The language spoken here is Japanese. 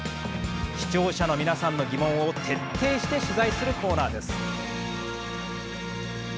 視聴者の皆さんの疑問を徹底して取材するコーナーです。